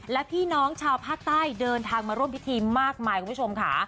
และพี่น้องชาวภาคใต้เดินทางมาร่วมพิธีมากมายคุณผู้ชมค่ะ